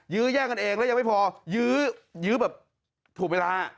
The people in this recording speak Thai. ยื้อแย่งกันเองแล้วยังไม่พอยื้อยื้อแบบถูกเวลา